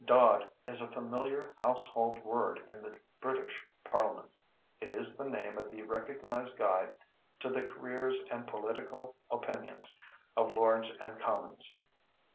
"Dod" is a familiar household word in the British Parliament. It is the name of the recognized guide to the careers and political opinions of Lords and Commons.